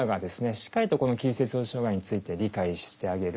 しっかりとこの起立性調節障害について理解してあげる。